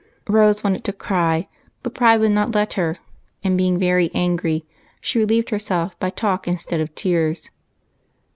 Rose wanted to cry, but pride would not let her, and, being very angry, she relieved herself by talk instead of tears.